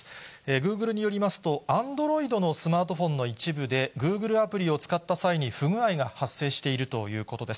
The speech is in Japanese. グーグルによりますと、アンドロイドのスマートフォンの一部で、グーグルアプリを使った際に、不具合が発生しているということです。